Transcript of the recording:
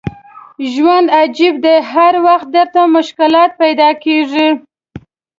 ژوند عجیب دی هر وخت درته مشکلات پیدا کېږي.